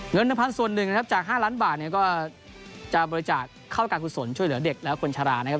เงิน๑๐๐ส่วนหนึ่งนะครับจาก๕ล้านบาทเนี่ยก็จะบริจาคเข้าการกุศลช่วยเหลือเด็กและคนชรานะครับ